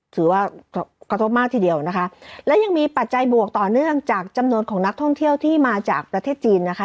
ถือว่ากระทบมากทีเดียวนะคะและยังมีปัจจัยบวกต่อเนื่องจากจำนวนของนักท่องเที่ยวที่มาจากประเทศจีนนะคะ